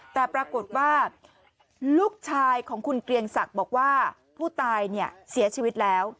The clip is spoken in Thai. แต่ปรากฏว่าลูกชายของคุณเกรียงศักดิ์บอกว่าผู้ตายเนี่ยเสียชีวิตแล้ว